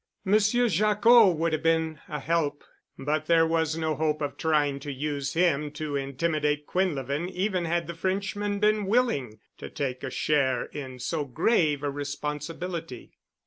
Monsieur Jacquot would have been a help, but there was no hope of trying to use him to intimidate Quinlevin even had the Frenchman been willing to take a share in so grave a responsibility.